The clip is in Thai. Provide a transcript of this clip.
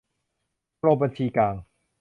กรมบัญชีกลาง